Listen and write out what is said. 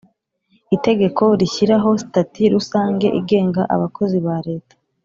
Itegekoo rishyiraho Sitati Rusange igenga Abakozi ba Leta